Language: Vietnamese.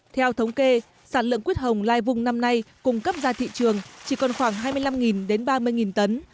theo thống kê sản lượng quyết hồng lai vùng năm nay cung cấp ra thị trường chỉ còn khoảng hai mươi năm đến ba mươi tấn